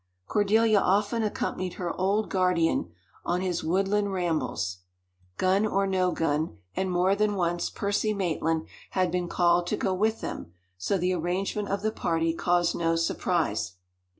Cordelia often accompanied her old guardian on his woodland rambles, gun or no gun; and more than once Percy Maitland had been called to go with them; so the arrangement of the party caused no surprise.